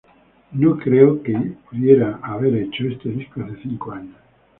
No creo que pude haber hecho este disco hace cinco años.